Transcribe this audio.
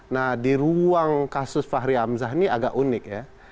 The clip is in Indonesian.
nah di ruang kasus fahri hamzah ini agak unik ya